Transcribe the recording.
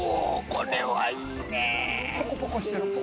これはいいねぇ。